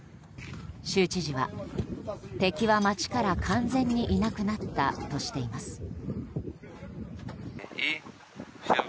州知事は、敵は街から完全にいなくなったとしています。